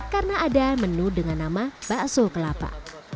karena ada menu dengan nama bakso kelapa